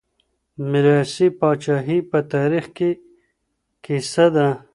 ميراثي پاچاهي په تاريخ کي کيسه ده.